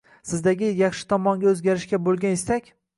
Sizdagi yaxshi tomonga o’zgarishga bo’lgan istak!